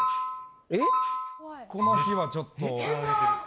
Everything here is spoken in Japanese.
この日はちょっと。